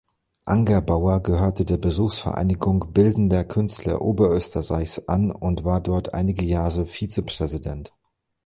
Angerbauer gehörte der Berufsvereinigung Bildender Künstler Oberösterreichs an und war dort einige Jahre Vizepräsident.